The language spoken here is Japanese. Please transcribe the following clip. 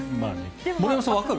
森山さん、わかる？